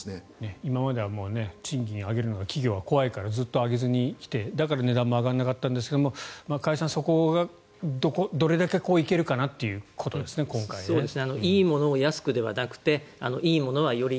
今までは賃金を上げるのが企業は怖いからずっと上げずに来てだから値段も上がらなかったんですが加谷さん、そこが皆さんからご意見とご質問を頂きました。